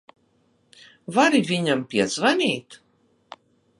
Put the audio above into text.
Vari viņam piezvanīt?